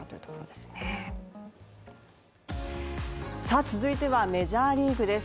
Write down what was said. さあ続いてはメジャーリーグです